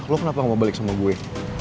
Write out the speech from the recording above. lo kenapa mau balik sama gue